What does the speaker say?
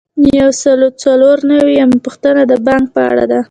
یو سل او څلور نوي یمه پوښتنه د بانک په اړه ده.